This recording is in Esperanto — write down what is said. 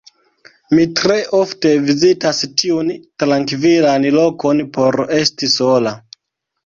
Mi tre ofte vizitas tiun trankvilan lokon por esti sola.